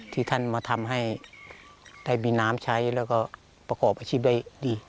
ที่ท่านมาทำให้ได้มีน้ำใช้แล้วก็ประกอบอาชีพได้ดี